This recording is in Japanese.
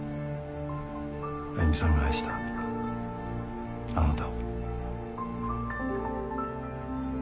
歩美さんが愛したあなたを。